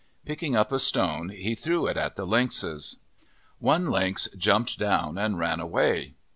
Picking up a stone, he threw it at the lynxes. One lynx jumped down and ran away.